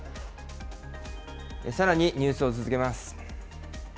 さらにニュースを続けます。